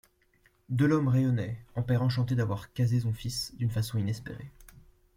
Delhomme rayonnait, en père enchanté d’avoir casé son fils, d’une façon inespérée.